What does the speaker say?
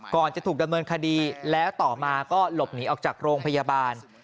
ก่อนจะถูกดำเนินคดีแล้วต่อมาก็หลบหนีออกจากโรงพยาบาล